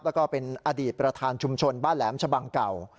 แล้วก็เป็นอดีตประธานชุมชนบ้านแหลมชะบังเก่า